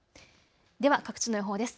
では各地の予報です。